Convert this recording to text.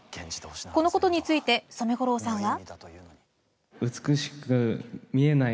このことについて染五郎さんは。